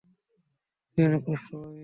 তুই অনেক কষ্ট পাবি।